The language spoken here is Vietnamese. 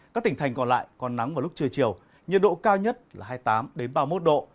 các tỉnh thành còn lại còn nắng vào lúc trưa chiều nhiệt độ cao nhất là hai mươi tám ba mươi một độ